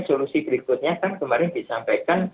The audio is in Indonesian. solusi berikutnya kan kemarin disampaikan